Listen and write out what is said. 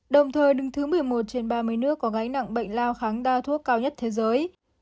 đồng thời đứng thứ một mươi một trên ba mươi nước có gánh nặng bệnh lao kháng đa thuốc cao nhất thế giới